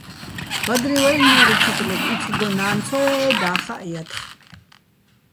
ბადრივ აჲლ'ნო́რ უჩტლეგო̆: "იცხგო ნა́ნ ცო ჲაე́, და́ხაჸ ჲათხე̆".